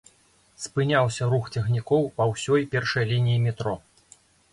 Спыняўся рух цягнікоў па ўсёй першай лініі метро.